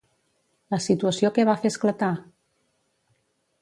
La situació què va fer esclatar?